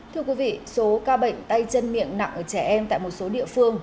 thưa quý vị số ca bệnh tay chân miệng nặng ở trẻ em tại một số địa phương